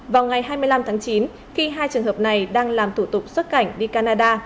vào ngày hai mươi năm tháng chín khi hai trường hợp này đang làm thủ tục xuất cảnh đi canada